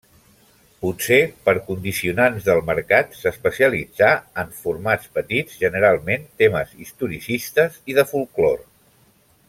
Potser per condicionants del mercat s'especialitzà en formats petits, generalment temes historicistes i de folklore.